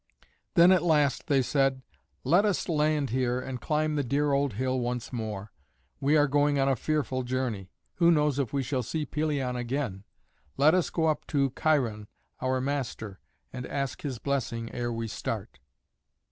Then at last they said, "Let us land here and climb the dear old hill once more. We are going on a fearful journey. Who knows if we shall see Pelion again? Let us go up to Cheiron our master, and ask his blessing ere we start."